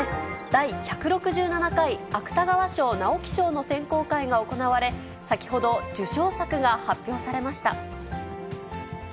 第１６７回芥川賞・直木賞の選考会が行われ、先ほど受賞作が発表されました。